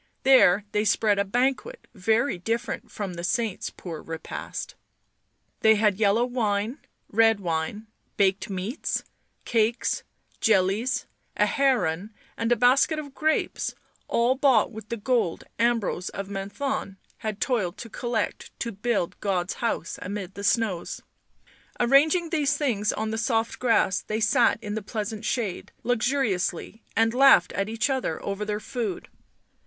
There they spread a banquet very different from the saint's poor repast; they had yellow wine, red wine, baked meats, cakes, jellies, a heron and a basket of grapes, all bought with the gold Ambrose of Menthon had toiled to collect to build God's house amid the snows. Arranging these things on the soft Digitized by UNIVERSITY OF MICHIGAN Original from UNIVERSITY OF MICHIGAN 80 BLACK MAGIC grass they sat in the pleasant shade, luxuriously, and laughed at each other over their food.